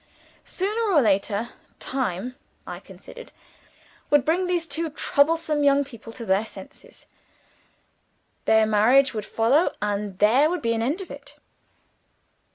Sooner or later, time (I considered) would bring these two troublesome young people to their senses. Their marriage would follow, and there would be an end of it!